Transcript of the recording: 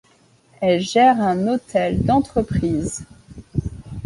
Elle gère un hôtel d'entreprises.